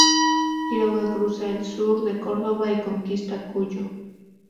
Quiroga cruza el sur de Córdoba y conquista Cuyo.